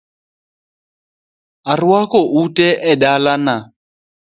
Arwako utee e dala na